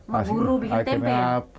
memburu bikin tempe ya